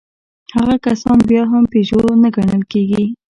هغه کسان بيا هم پيژو نه ګڼل کېږي.